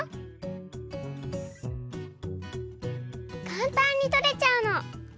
かんたんにとれちゃうの。